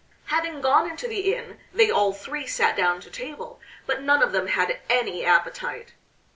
Having gone into the inn they all three sat down to table, but none of them had any appetite.